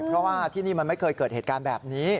เพราะว่าที่นี่มันไม่เคยเกิดเหตุการณ์แบบนี้